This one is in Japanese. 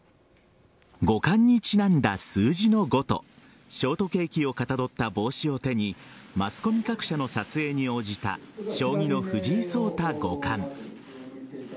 五冠にちなんだ数字の５とショートケーキをかたどった帽子を手にマスコミ各社の撮影に応じた将棋の藤井聡太五冠。